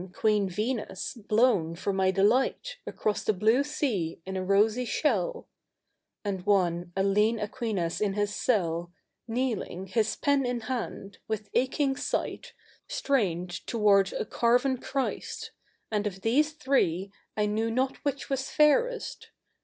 Queen Venus, blown for my delight Across the blue sea in a rosy shell ; And one, a lean Aquinas in his cell. Kneeling, his pen in hand, with aching sight Strained tou^ards a ca}~ien Christ ; and of these three I knezv not which loas fairest.